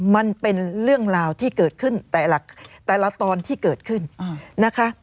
มันเป็นเรื่องราวที่เกิดขึ้นแต่ละตอนที่เกิดขึ้นนะคะ